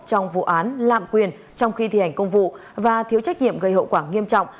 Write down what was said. trong vụ án lạm quyền trong khi thi hành công vụ và thiếu trách nhiệm gây hậu quả nghiêm trọng